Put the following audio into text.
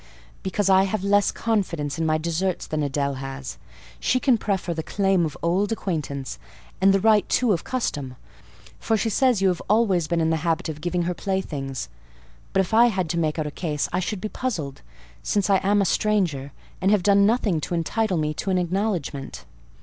"Because I have less confidence in my deserts than Adèle has: she can prefer the claim of old acquaintance, and the right too of custom; for she says you have always been in the habit of giving her playthings; but if I had to make out a case I should be puzzled, since I am a stranger, and have done nothing to entitle me to an acknowledgment."